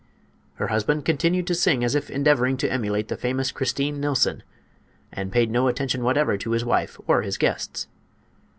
Her husband continued to sing as if endeavoring to emulate the famous Christine Nillson, and paid no attention whatever to his wife or his guests.